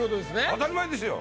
当たり前ですよ！